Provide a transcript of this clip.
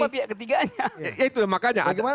apa pihak ketiganya